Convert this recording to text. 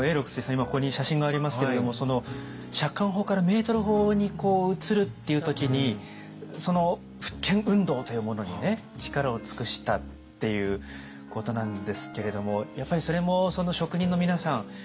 今ここに写真がありますけれども尺貫法からメートル法に移るっていう時にその復権運動というものに力を尽くしたっていうことなんですけれどもやっぱりそれも職人の皆さん目で見れば分かるっていう。